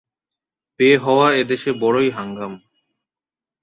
বে হওয়া এদেশে বড়ই হাঙ্গাম।